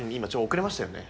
遅れましたよね？